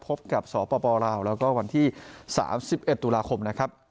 พบกับสปลาวแล้วก็วันที่๓๑ตุลาคมนะครับ